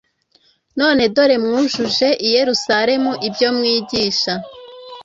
None dore mwujuje i Yerusalemu ibyo mwigisha;